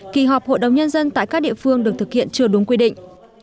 kỳ họp hội đồng nhân dân tại các địa phương được thực hiện chưa đúng quy định